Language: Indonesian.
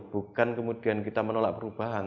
bukan kemudian kita menolak perubahan